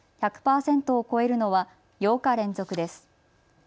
１００％を超えるのは８日連続です。